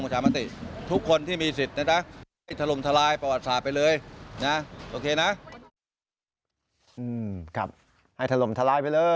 ให้หลมทะลายไปเลยนะครับ